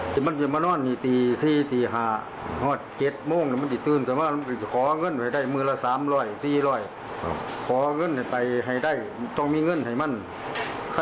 ถือประต๋อมาตั๋วกูเหล้าเงินตรงนี้ล่ะ